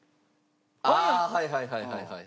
ああはいはいはいはい。